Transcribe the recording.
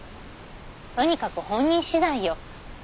とにかく本人次第よ。